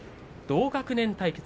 同学年対決。